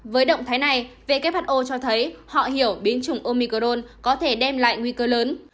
với động thái này who cho thấy họ hiểu biến chủng omicrone có thể đem lại nguy cơ lớn